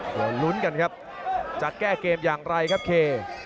เดี๋ยวลุ้นกันครับจะแก้เกมอย่างไรครับเค